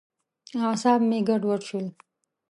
اعصاب مې ګډوډ شول.